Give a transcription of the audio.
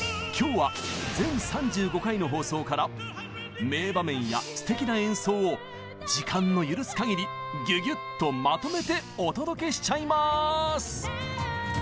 今日は全３５回の放送から名場面やすてきな演奏を時間の許す限りギュギュッとまとめてお届けしちゃいます！